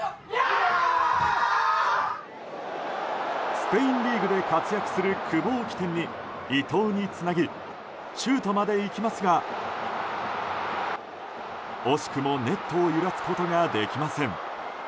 スペインリーグで活躍する久保を起点に、伊東につなぎシュートまでいきますが惜しくもネットを揺らすことができません。